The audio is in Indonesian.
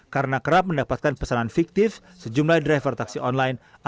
karena kerap mendapatkan pesanan fiktif sejumlah driver taksi online akhirnya